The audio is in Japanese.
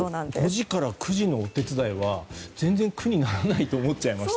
５時から９時のお手伝いは全然、苦にならないと思っちゃいました。